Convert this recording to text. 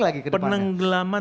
lagi ke depan penegakan